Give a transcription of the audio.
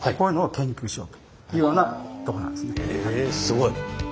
へえすごい。